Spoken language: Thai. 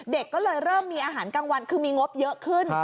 เด็กก็เลยเริ่มมีอาหารกลางวันคือมีงบเยอะขึ้น